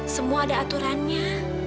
semua ada aturannya